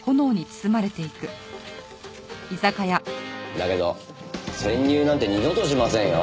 だけど潜入なんて二度としませんよ。